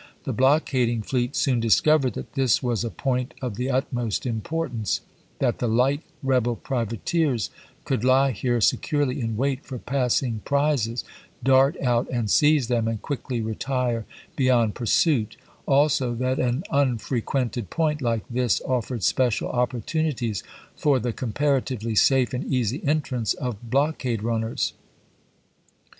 The blockading fleet soon discovered that this was a point of the utmost importance; that the light rebel privateers could lie here securely in wait for passing prizes, dart out and seize them, and quickly retire beyond pursuit ; also, that an unfrequented point like this offered special opportunities for the comparatively safe and easy entrance of blockade runners.